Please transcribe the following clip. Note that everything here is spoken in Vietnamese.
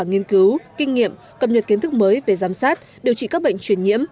nghiên cứu kinh nghiệm cập nhật kiến thức mới về giám sát điều trị các bệnh truyền nhiễm